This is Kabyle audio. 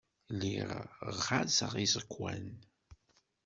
Lliɣ ɣɣazeɣ iẓekwan.